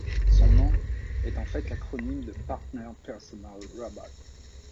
Son nom est en fait l'acronyme de Partner Personal Robot.